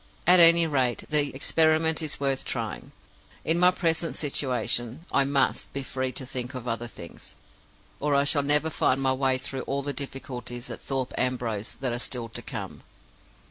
At any rate, the experiment is worth trying. In my present situation I must be free to think of other things, or I shall never find my way through all the difficulties at Thorpe Ambrose that are still to come.